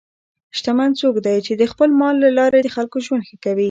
شتمن څوک دی چې د خپل مال له لارې د خلکو ژوند ښه کوي.